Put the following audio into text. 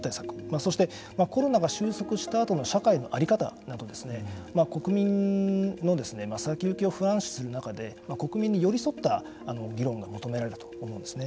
そして、コロナが収束したあとの社会の在り方など国民の先行きを不安視する中で国民に寄り添った議論が求められると思うんですね。